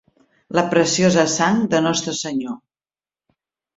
La preciosa sang de Nostre Senyor.